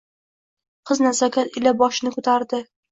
Qiz nazokat ila boshini ko’tardi.